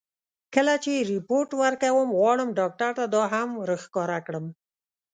کله چې رېپورټ ورکوم، غواړم ډاکټر ته دا هم ور ښکاره کړم.